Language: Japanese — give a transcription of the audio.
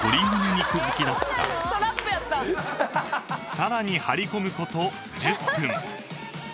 ［さらに張り込むこと１０分］